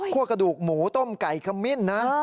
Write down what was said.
กระดูกหมูต้มไก่ขมิ้นนะ